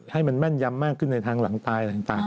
ให้มันแม่นยำมากขึ้นในทางหลังตายอะไรต่าง